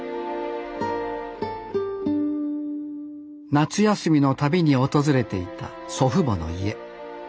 夏休みのたびに訪れていた祖父母の家。